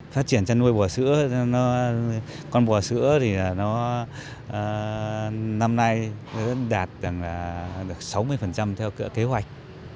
phát triển chân nuôi bò sữa con bò sữa thì năm nay đạt sáu mươi theo kế hoạch